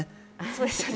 そうですね